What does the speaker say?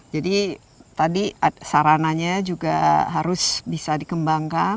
jadi tadi sarananya juga harus bisa dikembangkan